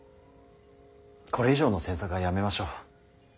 これ以上の詮索はやめましょう。